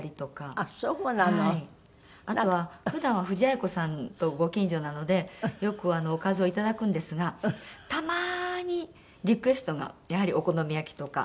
あとは普段は藤あや子さんとご近所なのでよくおかずをいただくんですがたまにリクエストがやはりお好み焼きとか。